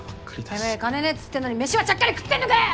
てめぇ金ねぇっつってんのに飯はちゃっかり食ってんのかよ！